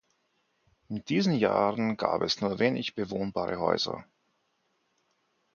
In diesen Jahren gab es nur wenige bewohnbare Häuser.